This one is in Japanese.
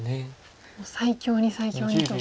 もう最強に最強にと。